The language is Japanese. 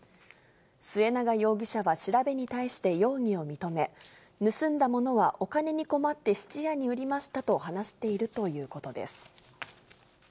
末永容疑者は調べに対して容疑を認め、盗んだものはお金に困って質屋に売りましたと話しているということです。